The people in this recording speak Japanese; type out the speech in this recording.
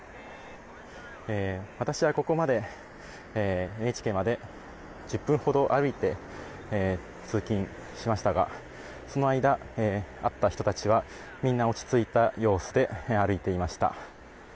私はここまでＮＨＫまで１０分ほど歩いて、通勤しましたが、その間、会った人たちは、みんな落ち着いた様子で歩いていました。